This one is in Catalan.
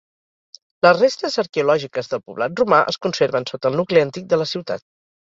Les restes arqueològiques del poblat romà es conserven sota el nucli antic de la ciutat.